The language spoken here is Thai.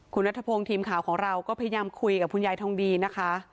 คุณนัทพงศ์ทีมข่าวของเราก็พยายามคุยกับคุณยายทองดีนะคะ